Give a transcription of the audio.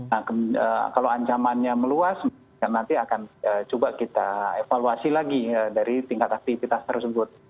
nah kalau ancamannya meluas nanti akan coba kita evaluasi lagi dari tingkat aktivitas tersebut